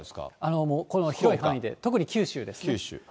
この広い範囲で、特に九州で九州。